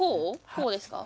こうですか？